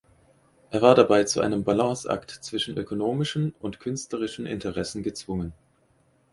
Er war dabei zu einem Balanceakt zwischen ökonomischen und künstlerischen Interessen gezwungen.